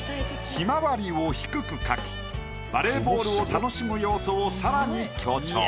ひまわりを低く描きバレーボールを楽しむ要素をさらに強調。